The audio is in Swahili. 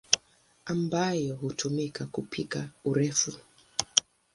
ambayo hutumika kupika urefu.